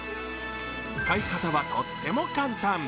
使い方はとっても簡単。